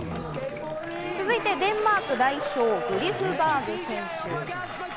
続いてデンマーク代表、グリフバーグ選手。